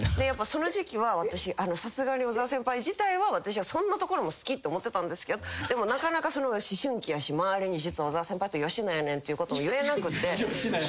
やっぱその時期は私さすがに小沢先輩自体は私はそんなところも好きって思ってたんですけどでもなかなか思春期やし周りに実は小沢先輩とよしなやねんっていうことを言えなくて。